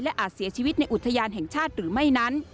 อาจเสียชีวิตในอุทยานแห่งชาติหรือไม่นั้น